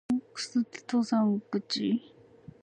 大楠登山口